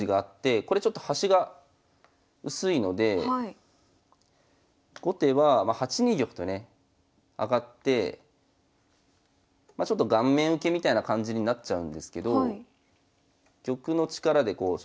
これちょっと端が薄いので後手は８二玉とね上がってまあちょっと顔面受けみたいな感じになっちゃうんですけど玉の力でこう端をケアしてるんですね。